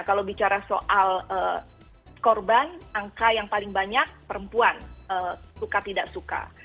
kalau bicara soal korban angka yang paling banyak perempuan suka tidak suka